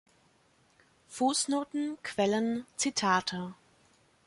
Fußnoten, Quellen, Zitate